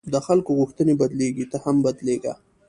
د خلکو غوښتنې بدلېږي، ته هم بدلېږه.